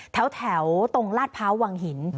แถวตรงลาดพร้าววังหิน